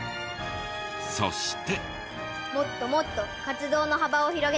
そして。